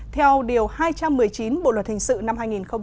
theo điều hai trăm một mươi chín bộ luật hình sự năm hai nghìn một mươi năm